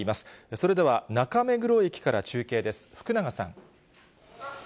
それでは、中目黒駅から中継です。